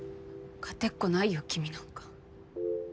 勝てっこないよ君なんか。